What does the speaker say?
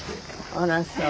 あらそう。